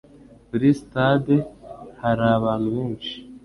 Kuri sitade hari abantu benshi.